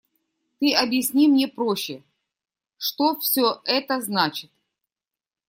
Ты объясни мне проще: что все это значит?